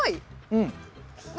うん。